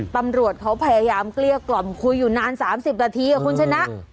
ตำรวจเขาพยายามเกลี้ยกล่อมคุยอยู่นาน๓๐นาทีคุณชนะ